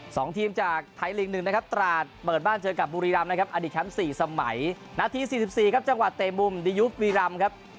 สองทีมจากไทยลีกหนึ่งนะครับตราดเปิดบ้านเจอกับบุรีรำนะครับอดีตแชมป์สี่สมัยนาทีสี่สิบสี่ครับจังหวะเตะมุมดียุปวีรำครับ